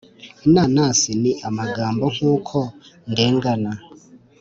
inanasi ni amagambo nkuko ndengana,